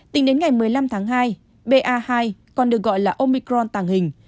tính đến ngày một mươi năm tháng hai ba còn được gọi là omicron tàng hình